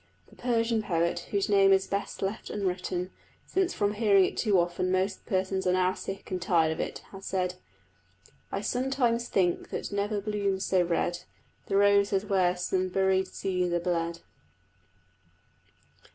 The Persian poet, whose name is best left unwritten, since from hearing it too often most persons are now sick and tired of it, has said, I sometimes think that never blooms so red The rose as where some buried Cæsar bled.